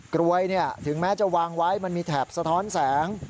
กรวยถึงแม้จะวางไว้มันมีแถบสะท้อนแสง